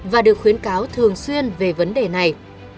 và được khuyến cáo thường xuyên về vấn đề này